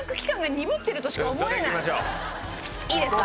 いいですか？